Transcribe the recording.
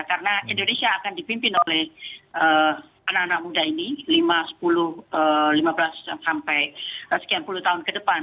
karena indonesia akan dipimpin oleh anak anak muda ini lima sepuluh lima belas sampai sekian puluh tahun ke depan